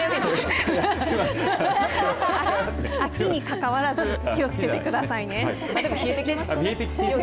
秋にかかわらず気をつけてくださいね。